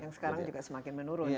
yang sekarang juga semakin menurun